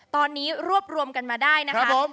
ตอนนี้รวบรวมกันมาได้นะครับผม